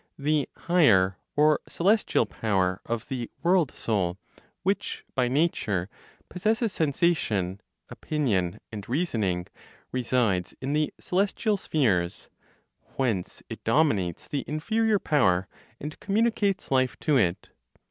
The (higher, or celestial) power (of the world Soul) which, by nature, possesses sensation, opinion, and reasoning, resides in the celestial spheres, whence it dominates the inferior power, and communicates life to it.